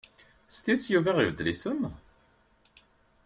S tidet Yuba ibeddel isem?